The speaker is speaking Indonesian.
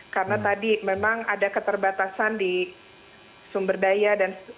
karena tadi memang ada keterbatasan di sumber daya